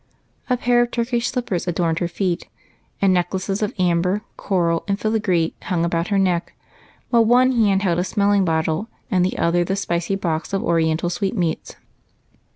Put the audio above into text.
A pair of Turkish shppers adorned her feet, and necklaces of amber, coral, and filigree hmig about her neck, while one hand held a smelling bottle, and the other the spicy box of oriental sweetmeats.